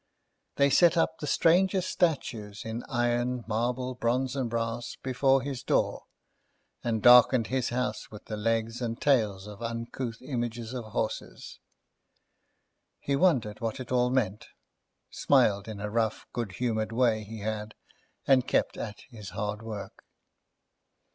They set up the strangest statues, in iron, marble, bronze, and brass, before his door; and darkened his house with the legs and tails of uncouth images of horses. He wondered what it all meant, smiled in a rough good humoured way he had, and kept at his hard work.